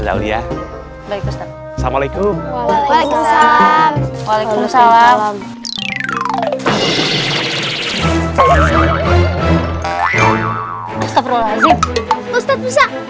jauh ya baik baik assalamualaikum waalaikumsalam waalaikumsalam